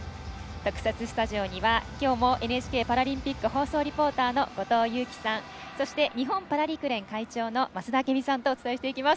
特設スタジオにはＮＨＫパラリンピック放送リポーターの後藤佑季さんそして日本パラ陸連会長の増田明美さんとお伝えしていきます。